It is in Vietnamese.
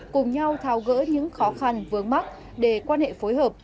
cùng nhau tháo gỡ những khó khăn vướng mắt để quan hệ phối hợp